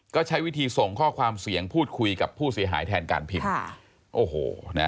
ก็ใช้วิธีส่งข้อความเสียงพูดคุยกับผู้เสียหายแทนการพิมพ์